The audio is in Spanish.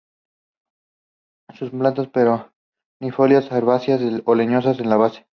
Son plantas perennifolias herbáceas o leñosas en la base.